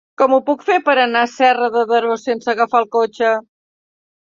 Com ho puc fer per anar a Serra de Daró sense agafar el cotxe?